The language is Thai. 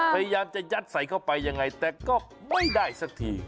พยายามจะยัดใส่เข้าไปยังไงแต่ก็ไม่ได้สักที